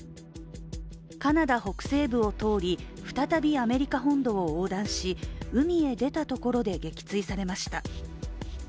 カナダ北西部を通り、再びアメリカ本土を横断し海へ出たところで撃墜されました。